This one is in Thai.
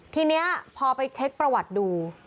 ทีนี้พอไปเช็คประวัติดู